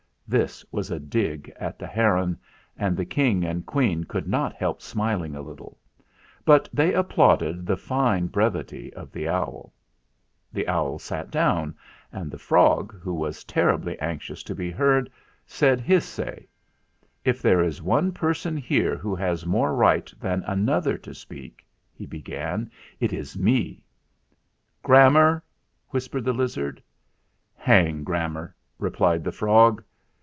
This was a dig at the heron, and the King and Queen could not help smiling a little. But they applauded the fine brevity of the owl. The owl sat down, and the frog, who was terribly anxious to be heard, said his say : "If there is one person here who has more right than another to speak," he began, "it is me." 288 THE FLINT HEART "Grammar !" whispered the lizard. "Hang grammar!" replied the frog.